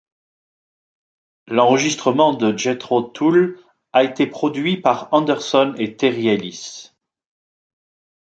L'enregistrement de Jethro Tull a été produit par Anderson et Terry Ellis.